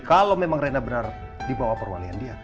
kalau memang rena benar dibawa perwalian dia